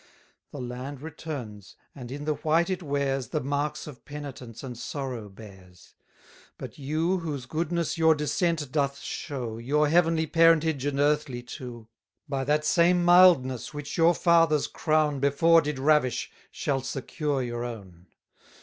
The land returns, and, in the white it wears, The marks of penitence and sorrow bears. But you, whose goodness your descent doth show, Your heavenly parentage and earthly too; By that same mildness, which your father's crown Before did ravish, shall secure your own.